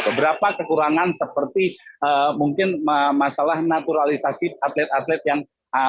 beberapa kekurangan seperti mungkin masalah naturalisasi atlet atlet yang